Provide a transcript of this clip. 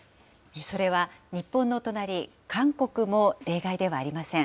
それは日本のお隣、韓国も例外ではありません。